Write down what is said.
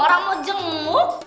orang mau jenguk